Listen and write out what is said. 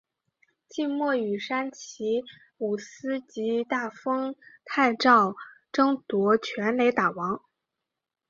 季末与山崎武司及大丰泰昭争夺全垒打王。